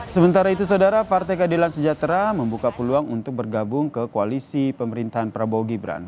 sementara itu saudara partai keadilan sejahtera membuka peluang untuk bergabung ke koalisi pemerintahan prabowo gibran